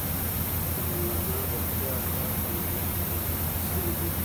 د مولانا بلخي افکار په ناول کې منعکس شوي دي.